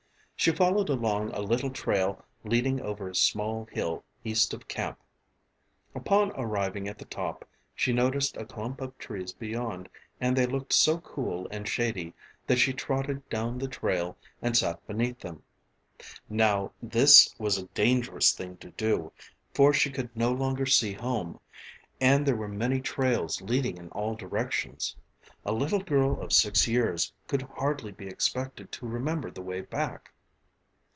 She followed along a little trail leading over a small hill east of camp. Upon arriving at the top she noticed a clump of trees beyond, and they looked so cool and shady that she trotted down the trail and sat beneath them. Now this was a dangerous thing to do, for she could no longer see home, and there were many trails leading in all directions. A little girl of six years could hardly be expected to remember the way back.